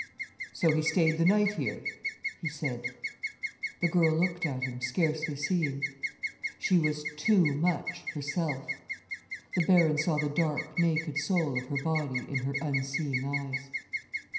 "So he stayed the night here?" he said. The girl looked at him, scarcely seeing. She was too much herself. The Baron saw the dark, naked soul of her body in her unseeing eyes.